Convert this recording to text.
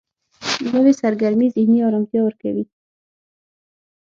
نوې سرګرمي ذهني آرامتیا ورکوي